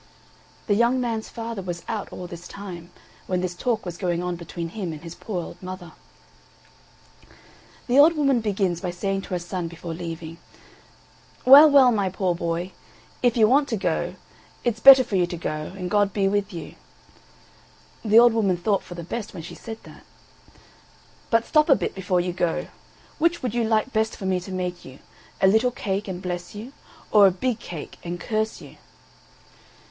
The young man's father was out all this time, when this talk was going on between him and his poor old mother. The old woman begins by saying to her son before leaving, "Well, well, my poor boy, if you want to go, it's better for you to go, and God be with you." (The old woman thought for the best when she said that.) "But stop a bit before you go. Which would you like best for me to make you, a little cake and bless you, or a big cake and curse you?"